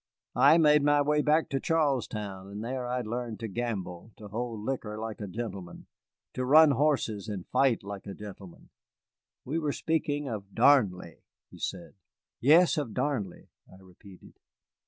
I made my way back to Charlestown, and there I learned to gamble, to hold liquor like a gentleman, to run horses and fight like a gentleman. We were speaking of Darnley," he said. "Yes, of Darnley," I repeated.